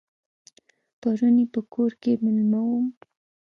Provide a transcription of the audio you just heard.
پرون یې په کور کې مېلمه وم.